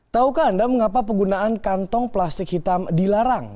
taukah anda mengapa penggunaan kantong plastik hitam dilarang